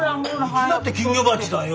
うちだって金魚鉢だよ。